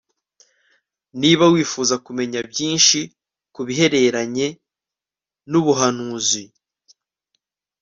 niba wifuza kumenya byinshi ku bihereranye n ubuhanuzi